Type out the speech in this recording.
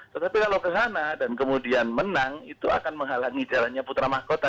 tetapi kalau ke sana dan kemudian menang itu akan menghalangi jalannya putra mahkota